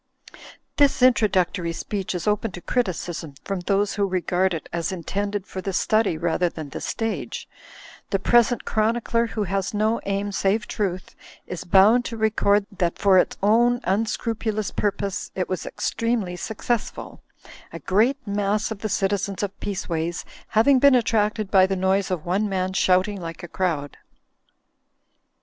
This introductory speech is open to criticism from those who regard it as intended for the study rather than the stage. The present chronicler (who has no aim save truth) is bound to record that for its own unscrupulous purpose it was extremely successful: a great mass of the citizens of Peaceways having been attracted by the noise of one man shouting like a crowd.